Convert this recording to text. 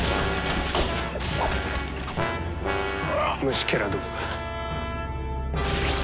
虫けらどもが。